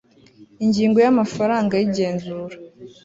ingingo ya amafaranga y igenzura